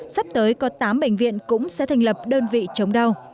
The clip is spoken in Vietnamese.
sắp tới có tám bệnh viện cũng sẽ thành lập đơn vị chống đau